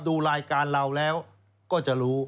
ดูรายการเราแล้วก็จะรู้